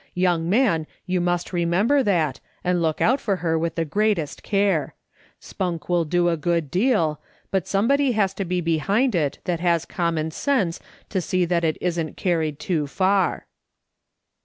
Young man, you must remember that, and look out for her with the greatest care. Spunk will do a good deal, but somebody has to be behind it that has common sense to see that it isn't carried too far.